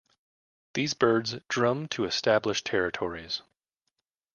These birds drum to establish territories.